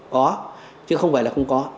có chứ không phải là không có